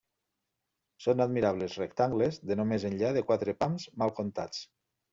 Són admirables rectangles de no més enllà de quatre pams mal comptats.